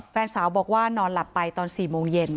แฟนสาวบอกว่านอนหลับไปตอน๔โมงเย็น